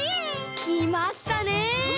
きましたね！